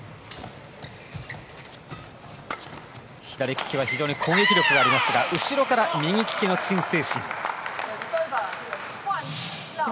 左利きは非常に攻撃力がありますが後ろから右利きのチン・セイシン。